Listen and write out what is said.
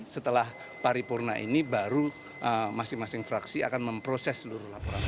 setelah paripurna ini baru masing masing fraksi akan memproses seluruh laporan